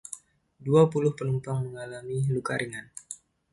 Dua puluh penumpang mengalami luka ringan.